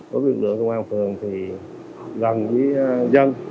đối với lực lượng công an phường thì gần với dân